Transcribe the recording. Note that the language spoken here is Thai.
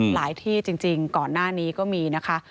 ที่จริงก่อนหน้านี้ก็มีนะคะ